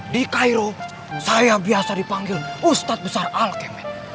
di cairo saya biasa dipanggil ustadz besar alkmaq